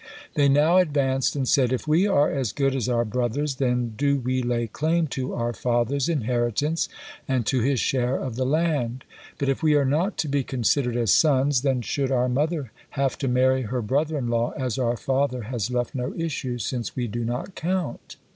They now advanced and said: "If we are as good as our brothers, then do we lay claim to our father's inheritance, and to his share of the land; but if we are not to be considered as sons, then should our mother have to marry her brother in law, as our father has left no issue, since we do not count."